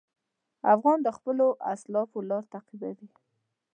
افغان د خپلو اسلافو لار تعقیبوي.